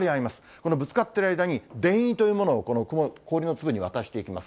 このぶつかっている間に、電位というのが氷の粒に渡していきます。